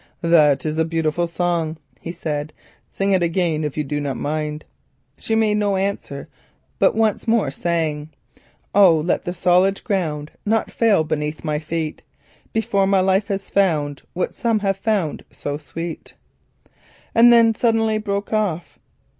"That is a beautiful song," he said; "sing it again if you do not mind." She made no answer, but once more she sang: "O let the solid ground Not fail beneath my feet Before my life has found What some have found so sweet;" and then suddenly broke off.